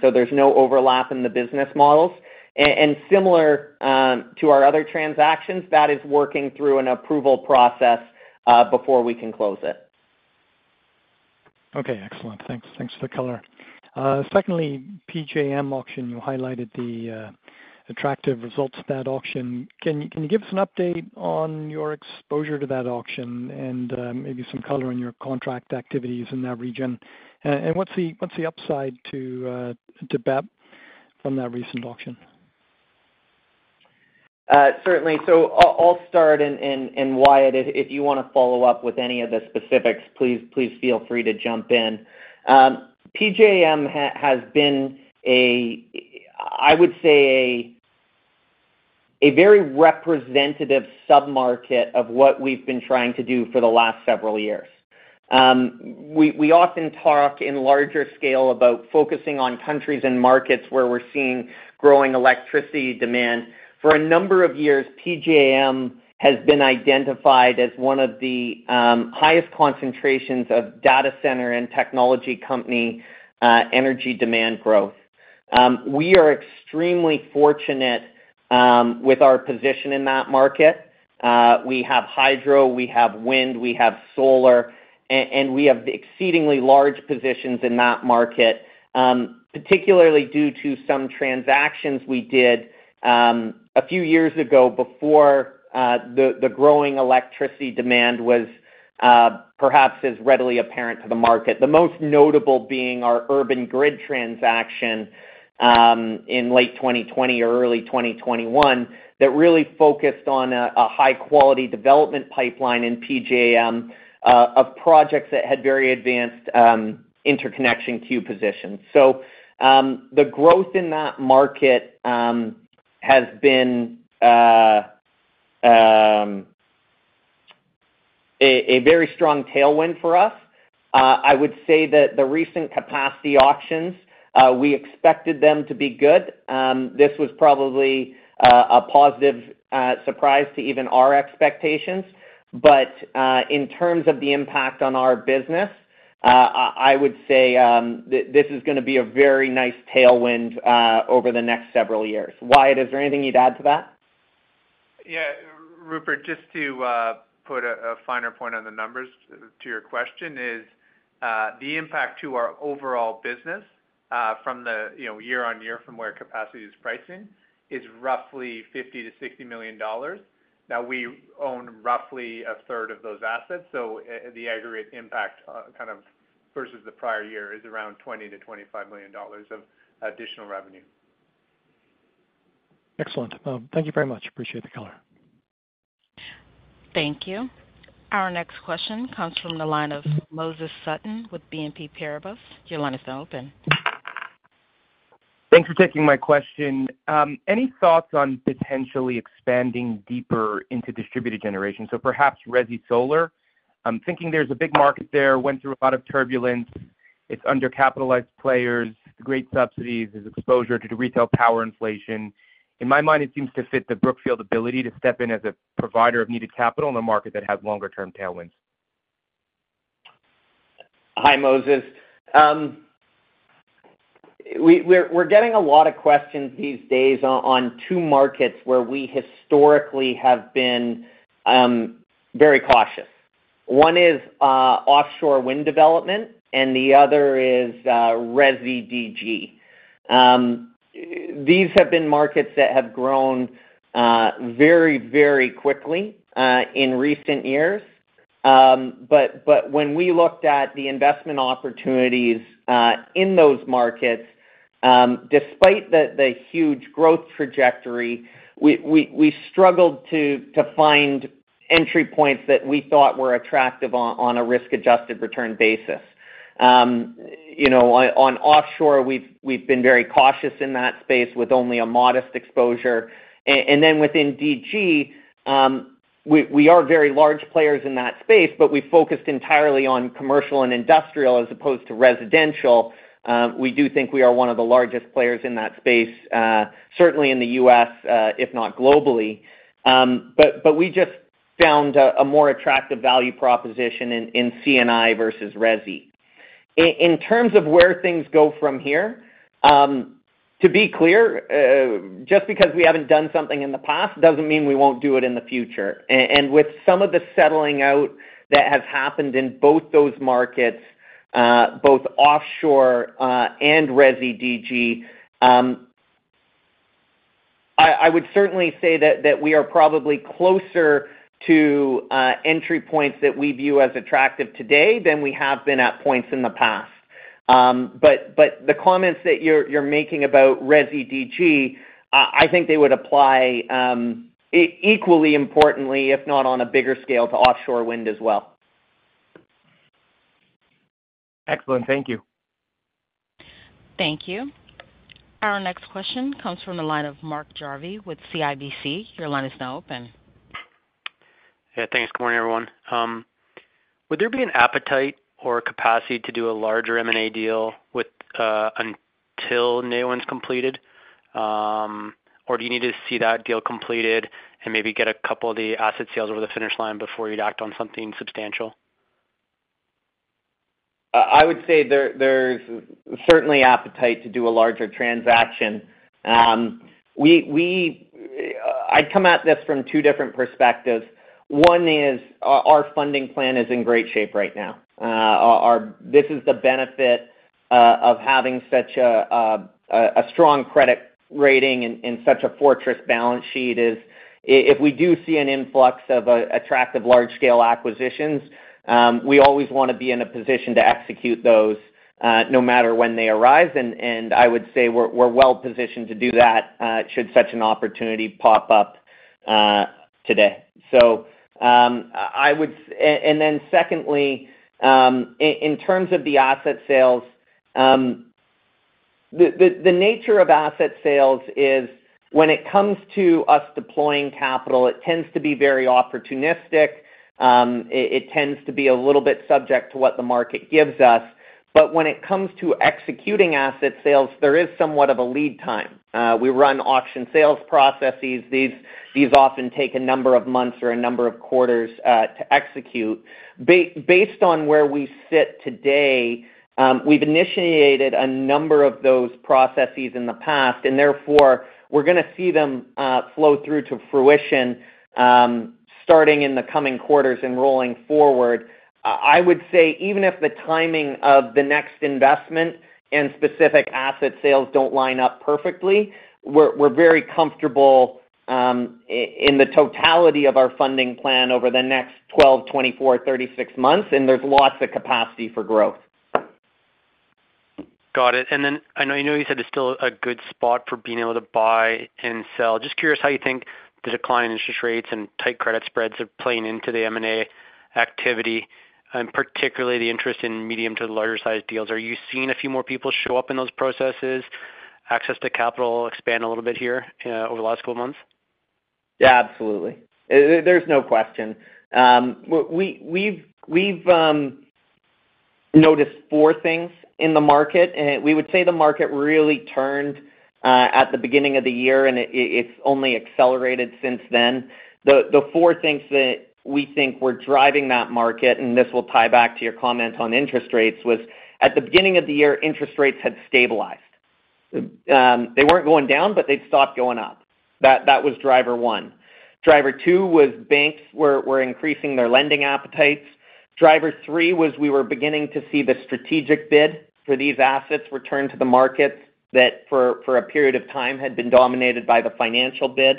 B: so there's no overlap in the business models. And similar to our other transactions, that is working through an approval process before we can close it.
H: Okay. Excellent. Thanks for the color. Secondly, PJM auction, you highlighted the attractive results of that auction. Can you give us an update on your exposure to that auction and maybe some color on your contract activities in that region? And what's the upside to BEP from that recent auction?
B: Certainly. So I'll start in Wyatt. If you want to follow up with any of the specifics, please feel free to jump in. PJM has been, I would say, a very representative sub-market of what we've been trying to do for the last several years. We often talk in larger scale about focusing on countries and markets where we're seeing growing electricity demand. For a number of years, PJM has been identified as one of the highest concentrations of data center and technology company energy demand growth. We are extremely fortunate with our position in that market. We have hydro, we have wind, we have solar, and we have exceedingly large positions in that market, particularly due to some transactions we did a few years ago before the growing electricity demand was perhaps as readily apparent to the market. The most notable being our Urban Grid transaction in late 2020 or early 2021 that really focused on a high-quality development pipeline in PJM of projects that had very advanced interconnection queue positions. So the growth in that market has been a very strong tailwind for us. I would say that the recent capacity auctions, we expected them to be good. This was probably a positive surprise to even our expectations. But in terms of the impact on our business, I would say this is going to be a very nice tailwind over the next several years. Wyatt, is there anything you'd add to that?
D: Yeah. Rupert, just to put a finer point on the numbers to your question is the impact to our overall business from year-on-year from where capacity is pricing is roughly $50-$60 million. Now, we own roughly a third of those assets, so the aggregate impact kind of versus the prior year is around $20-$25 million of additional revenue.
H: Excellent. Thank you very much. Appreciate the color.
A: Thank you. Our next question comes from the line of Moses Sutton with BNP Paribas. Your line is now open.
I: Thanks for taking my question. Any thoughts on potentially expanding deeper into distributed generation? So perhaps resi solar. I'm thinking there's a big market there, went through a lot of turbulence. It's undercapitalized players, great subsidies, there's exposure to retail power inflation. In my mind, it seems to fit the Brookfield ability to step in as a provider of needed capital in a market that has longer-term tailwinds.
B: Hi, Moses. We're getting a lot of questions these days on two markets where we historically have been very cautious. One is offshore wind development, and the other is resi DG. These have been markets that have grown very, very quickly in recent years. But when we looked at the investment opportunities in those markets, despite the huge growth trajectory, we struggled to find entry points that we thought were attractive on a risk-adjusted return basis. On offshore, we've been very cautious in that space with only a modest exposure. And then within DG, we are very large players in that space, but we focused entirely on commercial and industrial as opposed to residential. We do think we are one of the largest players in that space, certainly in the U.S., if not globally. But we just found a more attractive value proposition in C&I versus Resi. In terms of where things go from here, to be clear, just because we haven't done something in the past doesn't mean we won't do it in the future. And with some of the settling out that has happened in both those markets, both offshore and resi DG, I would certainly say that we are probably closer to entry points that we view as attractive today than we have been at points in the past. But the comments that you're making about resi DG, I think they would apply equally importantly, if not on a bigger scale, to offshore wind as well. Excellent. Thank you.
A: Thank you. Our next question comes from the line of Mark Jarvi with CIBC. Your line is now open.
J: Hey, thanks. Good morning, everyone. Would there be an appetite or capacity to do a larger M&A deal until Neoen's completed? Or do you need to see that deal completed and maybe get a couple of the asset sales over the finish line before you'd act on something substantial?
B: I would say there's certainly appetite to do a larger transaction. I come at this from two different perspectives. One is our funding plan is in great shape right now. This is the benefit of having such a strong credit rating and such a fortress balance sheet is if we do see an influx of attractive large-scale acquisitions, we always want to be in a position to execute those no matter when they arise. I would say we're well positioned to do that should such an opportunity pop up today. Then secondly, in terms of the asset sales, the nature of asset sales is when it comes to us deploying capital, it tends to be very opportunistic. It tends to be a little bit subject to what the market gives us. When it comes to executing asset sales, there is somewhat of a lead time. We run auction sales processes. These often take a number of months or a number of quarters to execute. Based on where we sit today, we've initiated a number of those processes in the past, and therefore we're going to see them flow through to fruition starting in the coming quarters and rolling forward. I would say even if the timing of the next investment and specific asset sales don't line up perfectly, we're very comfortable in the totality of our funding plan over the next 12, 24, 36 months, and there's lots of capacity for growth.
J: Got it. And then I know you said it's still a good spot for being able to buy and sell. Just curious how you think the decline in interest rates and tight credit spreads are playing into the M&A activity and particularly the interest in medium to larger-sized deals. Are you seeing a few more people show up in those processes, access to capital expand a little bit here over the last couple of months?
B: Yeah, absolutely. There's no question. We've noticed four things in the market. We would say the market really turned at the beginning of the year, and it's only accelerated since then. The four things that we think were driving that market, and this will tie back to your comment on interest rates, was at the beginning of the year, interest rates had stabilized. They weren't going down, but they'd stopped going up. That was driver one. Driver two was banks were increasing their lending appetites. Driver three was we were beginning to see the strategic bid for these assets return to the market that for a period of time had been dominated by the financial bid.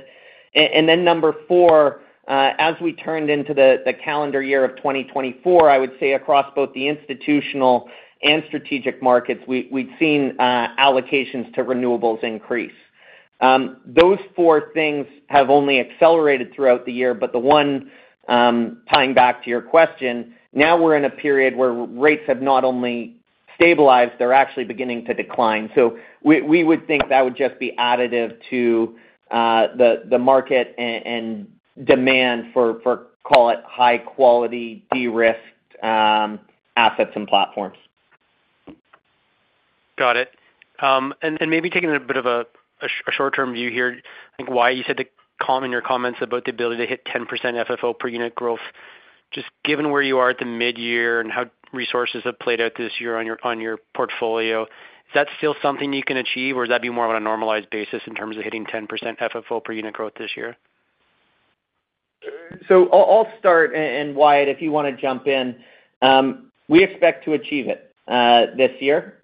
B: And then number four, as we turned into the calendar year of 2024, I would say across both the institutional and strategic markets, we'd seen allocations to renewables increase. Those four things have only accelerated throughout the year, but the one, tying back to your question, now we're in a period where rates have not only stabilized, they're actually beginning to decline. So we would think that would just be additive to the market and demand for, call it, high-quality de-risked assets and platforms.
J: Got it. And maybe taking a bit of a short-term view here, I think Wyatt, you said in your comments about the ability to hit 10% FFO per unit growth. Just given where you are at the midyear and how resources have played out this year on your portfolio, is that still something you can achieve, or would that be more on a normalized basis in terms of hitting 10% FFO per unit growth this year?
B: I'll start, and Wyatt, if you want to jump in. We expect to achieve it this year.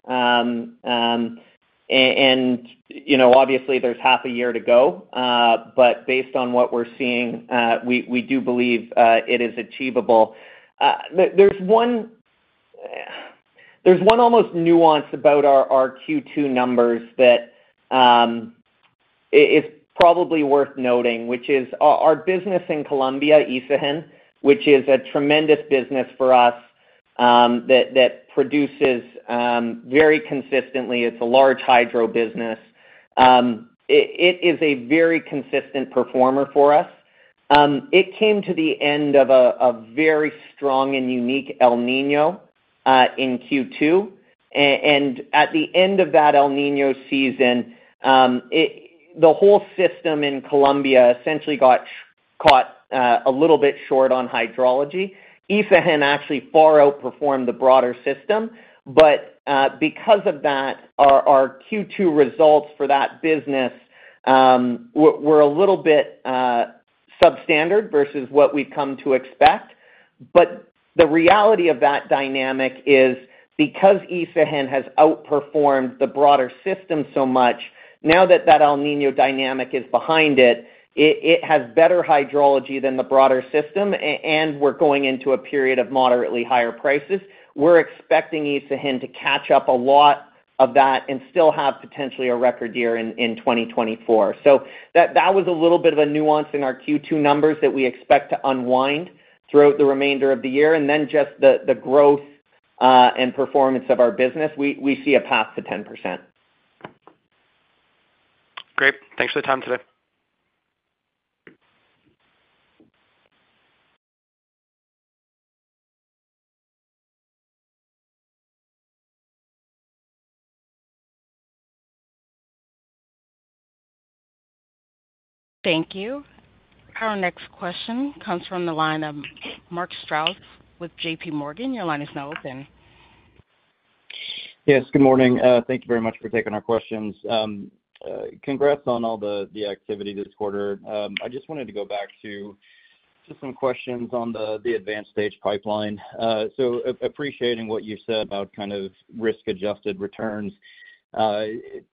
B: Obviously, there's half a year to go, but based on what we're seeing, we do believe it is achievable. There's one almost nuance about our Q2 numbers that is probably worth noting, which is our business in Colombia, Isagen, which is a tremendous business for us that produces very consistently. It's a large hydro business. It is a very consistent performer for us. It came to the end of a very strong and unique El Niño in Q2. At the end of that El Niño season, the whole system in Colombia essentially got caught a little bit short on hydrology. Isagen actually far outperformed the broader system. But because of that, our Q2 results for that business were a little bit substandard versus what we've come to expect. But the reality of that dynamic is because Isagen has outperformed the broader system so much, now that that El Niño dynamic is behind it, it has better hydrology than the broader system, and we're going into a period of moderately higher prices. We're expecting Isagen to catch up a lot of that and still have potentially a record year in 2024. So that was a little bit of a nuance in our Q2 numbers that we expect to unwind throughout the remainder of the year. And then just the growth and performance of our business, we see a path to 10%.
J: Great. Thanks for the time today.
A: Thank you. Our next question comes from the line of Mark Strouse with JPMorgan. Your line is now open.
K: Yes. Good morning. Thank you very much for taking our questions. Congrats on all the activity this quarter. I just wanted to go back to some questions on the advanced stage pipeline. So appreciating what you said about kind of risk-adjusted returns.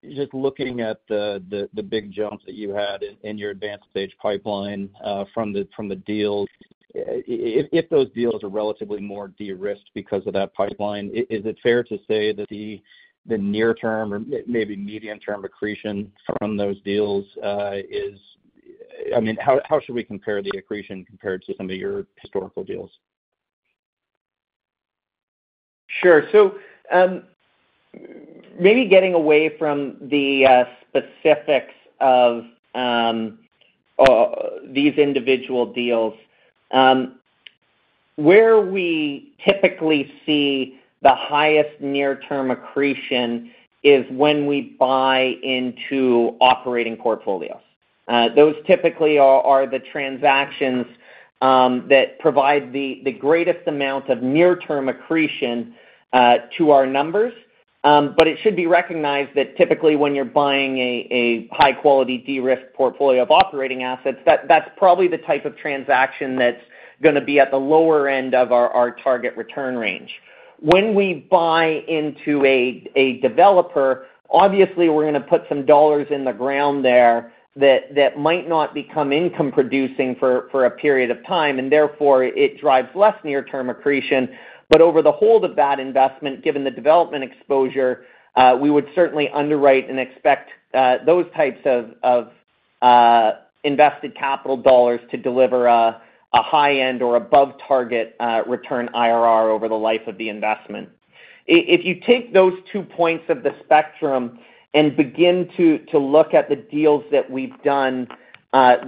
K: Just looking at the big jumps that you had in your advanced stage pipeline from the deals, if those deals are relatively more de-risked because of that pipeline, is it fair to say that the near-term or maybe medium-term accretion from those deals is—I mean, how should we compare the accretion compared to some of your historical deals?
B: Sure. So maybe getting away from the specifics of these individual deals, where we typically see the highest near-term accretion is when we buy into operating portfolios. Those typically are the transactions that provide the greatest amount of near-term accretion to our numbers. But it should be recognized that typically when you're buying a high-quality de-risked portfolio of operating assets, that's probably the type of transaction that's going to be at the lower end of our target return range. When we buy into a developer, obviously, we're going to put some dollars in the ground there that might not become income-producing for a period of time, and therefore it drives less near-term accretion. But over the whole of that investment, given the development exposure, we would certainly underwrite and expect those types of invested capital dollars to deliver a high-end or above-target return IRR over the life of the investment. If you take those two points of the spectrum and begin to look at the deals that we've done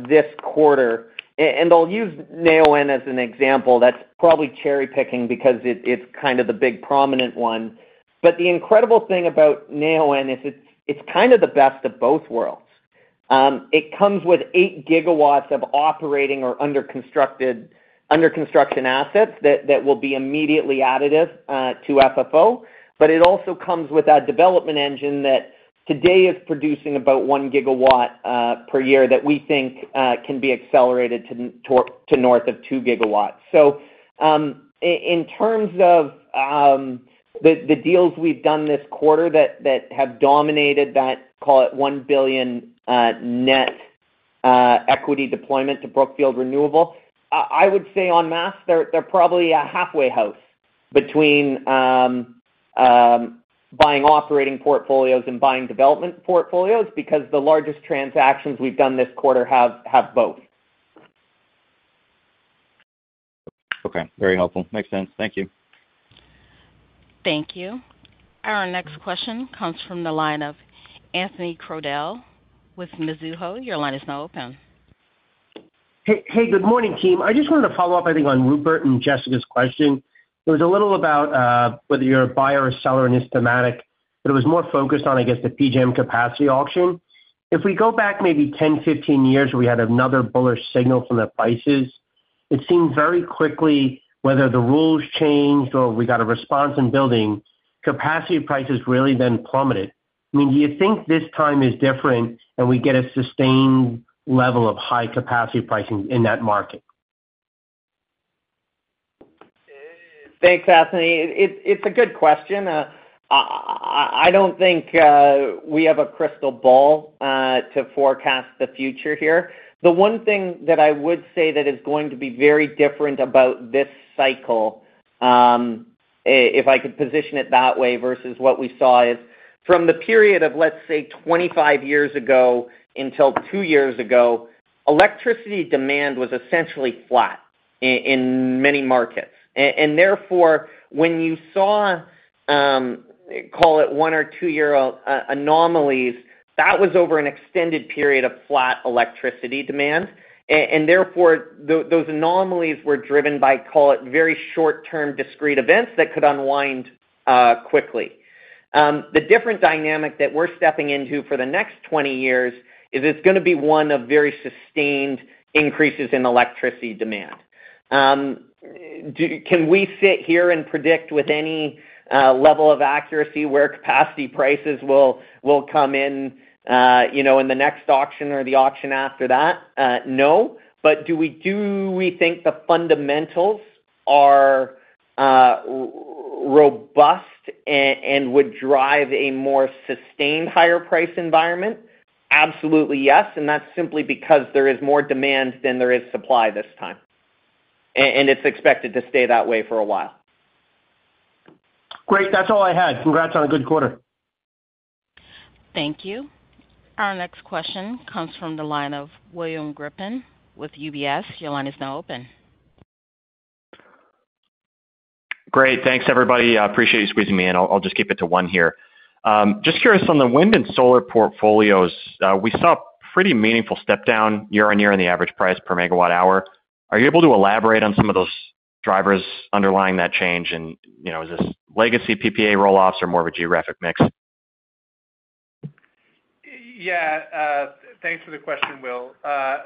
B: this quarter, and I'll use Neoen as an example. That's probably cherry-picking because it's kind of the big prominent one. But the incredible thing about Neoen is it's kind of the best of both worlds. It comes with eight gigawatts of operating or under-construction assets that will be immediately additive to FFO. But it also comes with that development engine that today is producing about one gigawatt per year that we think can be accelerated to north of two gigawatts. So in terms of the deals we've done this quarter that have dominated that, call it, $1 billion net equity deployment to Brookfield Renewable, I would say en masse, they're probably a halfway house between buying operating portfolios and buying development portfolios because the largest transactions we've done this quarter have both.
K: Okay. Very helpful. Makes sense. Thank you.
A: Thank you. Our next question comes from the line of Anthony Crowdell with Mizuho. Your line is now open.
L: Hey, good morning, team. I just wanted to follow up, I think, on Rupert and Jessica's question. It was a little about whether you're a buyer or seller in this thematic, but it was more focused on, I guess, the PJM capacity auction. If we go back maybe 10, 15 years where we had another bullish signal from the prices, it seemed very quickly, whether the rules changed or we got a response in building, capacity prices really then plummeted. I mean, do you think this time is different and we get a sustained level of high capacity pricing in that market?
B: Thanks, Anthony. It's a good question. I don't think we have a crystal ball to forecast the future here. The one thing that I would say that is going to be very different about this cycle, if I could position it that way versus what we saw, is from the period of, let's say, 25 years ago until two years ago, electricity demand was essentially flat in many markets. And therefore, when you saw, call it, one or two-year anomalies, that was over an extended period of flat electricity demand. And therefore, those anomalies were driven by, call it, very short-term discrete events that could unwind quickly. The different dynamic that we're stepping into for the next 20 years is it's going to be one of very sustained increases in electricity demand. Can we sit here and predict with any level of accuracy where capacity prices will come in in the next auction or the auction after that? No. But do we think the fundamentals are robust and would drive a more sustained higher-price environment? Absolutely, yes. And that's simply because there is more demand than there is supply this time. And it's expected to stay that way for a while.
L: Great. That's all I had. Congrats on a good quarter.
A: Thank you. Our next question comes from the line of William Grippin with UBS. Your line is now open.
M: Great. Thanks, everybody. Appreciate you squeezing me in. I'll just keep it to one here. Just curious on the wind and solar portfolios. We saw a pretty meaningful step down year-over-year in the average price per megawatt hour. Are you able to elaborate on some of those drivers underlying that change? And is this legacy PPA rolloffs or more of a geographic mix?
D: Yeah. Thanks for the question, Will.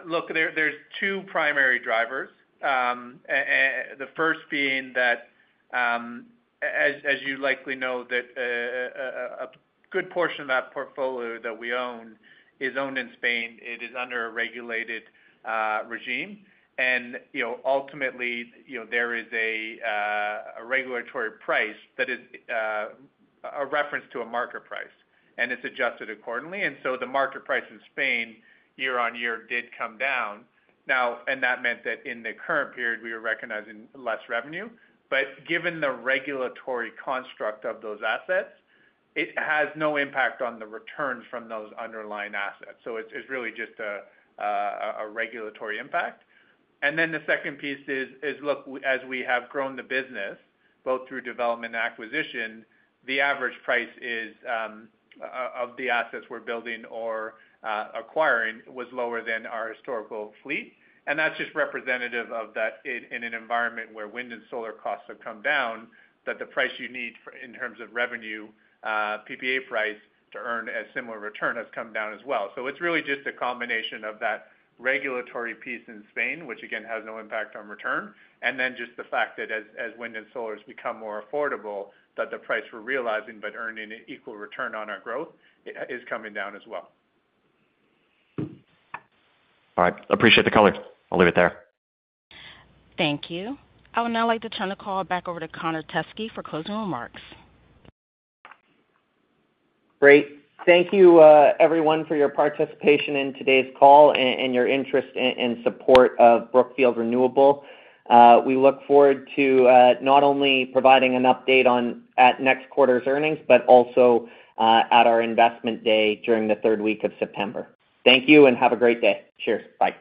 D: Look, there are two primary drivers. The first being that, as you likely know, a good portion of that portfolio that we own is owned in Spain. It is under a regulated regime. And ultimately, there is a regulatory price that is a reference to a market price, and it's adjusted accordingly. And so the market price in Spain year-over-year did come down. Now, and that meant that in the current period, we were recognizing less revenue. But given the regulatory construct of those assets, it has no impact on the returns from those underlying assets. So it's really just a regulatory impact. And then the second piece is, look, as we have grown the business, both through development and acquisition, the average price of the assets we're building or acquiring was lower than our historical fleet. That's just representative of that in an environment where wind and solar costs have come down, that the price you need in terms of revenue, PPA price to earn a similar return has come down as well. It's really just a combination of that regulatory piece in Spain, which again has no impact on return, and then just the fact that as wind and solar has become more affordable, that the price we're realizing but earning an equal return on our growth is coming down as well.
M: All right. Appreciate the color. I'll leave it there.
A: Thank you. I would now like to turn the call back over to Connor Teskey for closing remarks.
B: Great. Thank you, everyone, for your participation in today's call and your interest and support of Brookfield Renewable. We look forward to not only providing an update at next quarter's earnings, but also at our investment day during the third week of September. Thank you and have a great day. Cheers. Bye.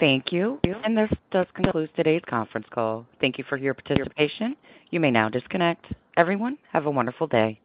A: Thank you. This does conclude today's conference call. Thank you for your participation. You may now disconnect. Everyone, have a wonderful day.